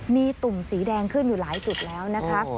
มีตุ่มสีแดงขึ้นอยู่หลายจุดแล้วนะคะ